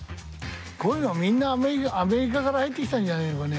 こういうのはみんなアメリカから入ってきたんじゃねえのかね。